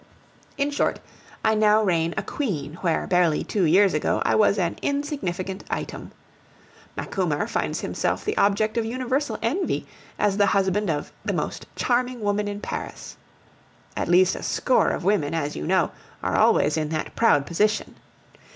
In short, I now reign a queen where, barely two years ago, I was an insignificant item. Macumer finds himself the object of universal envy, as the husband of "the most charming woman in Paris." At least a score of women, as you know, are always in that proud position.